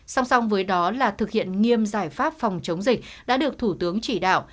song song với đó là thực hiện nghiêm giải pháp phòng chống dịch đã được thủ tướng chỉ đạo